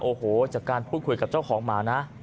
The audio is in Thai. โอ้โหจากการพูดคุยกับเจ้าของหมานะ